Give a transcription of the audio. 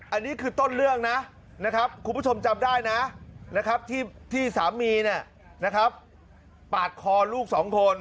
อันนี้คือต้นเรื่องนะนะครับคุณผู้ชมจำได้นะที่สามีปาดคอลูกสองคน